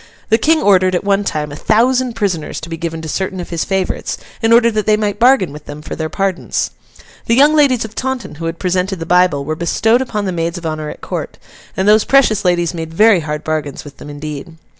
The King ordered, at one time, a thousand prisoners to be given to certain of his favourites, in order that they might bargain with them for their pardons. The young ladies of Taunton who had presented the Bible, were bestowed upon the maids of honour at court; and those precious ladies made very hard bargains with them indeed.